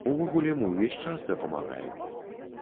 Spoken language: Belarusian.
Увогуле, мы ўвесь час дапамагаем.